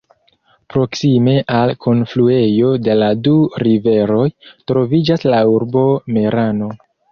Proksime al kunfluejo de la du riveroj, troviĝas la urbo Merano.